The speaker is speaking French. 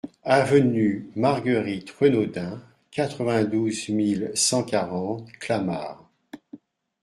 Avenue Marguerite Renaudin, quatre-vingt-douze mille cent quarante Clamart